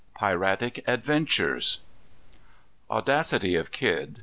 Piratic Adventures. Audacity of Kidd.